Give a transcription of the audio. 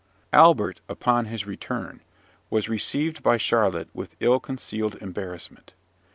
Albert, upon his return, was received by Charlotte with ill concealed embarrassment.